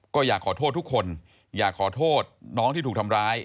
ก็อยากขอโทษทุกคนอยากขอโทษน้องที่ถูกทำร้าย